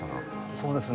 そうですね。